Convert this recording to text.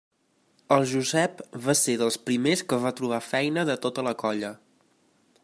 El Josep va ser dels primers que va trobar feina de tota la colla.